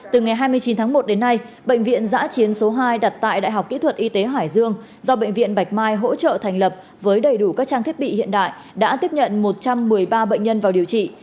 từ ngày hai mươi chín tháng một đến nay bệnh viện giã chiến số hai đặt tại đại học kỹ thuật y tế hải dương do bệnh viện bạch mai hỗ trợ thành lập với đầy đủ các trang thiết bị hiện đại đã tiếp nhận một trăm một mươi ba bệnh nhân vào điều trị